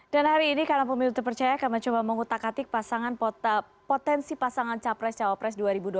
dan hari ini karena pemilu terpercaya kami coba mengutak atik potensi pasangan capres cawapres dua ribu dua puluh empat